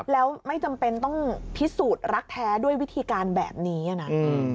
แล้วไม่จำเป็นต้องพิสูจน์รักแท้ด้วยวิธีการแบบนี้นะ